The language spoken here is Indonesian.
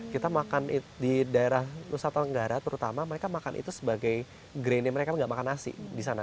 kita makan di daerah nusa tenggara terutama mereka makan itu sebagai grainnya mereka nggak makan nasi di sana